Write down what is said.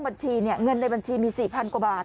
บัญชีเนี่ยเงินในบัญชีมี๔๐๐กว่าบาท